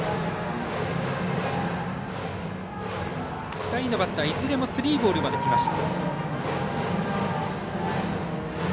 ２人のバッター、いずれもスリーボールまできました。